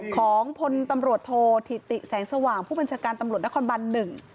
ของพลตำรวจโทษธิติแสงสว่างผู้บัญชาการตำรวจนครบันหนึ่ง